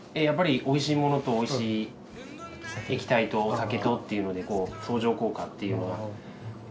やっぱりおいしいものとおいしい液体とお酒とっていうので相乗効果っていうのを。